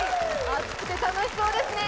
熱くて楽しそうですね。